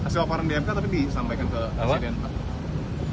hasil laporan di mk tapi disampaikan ke presiden pak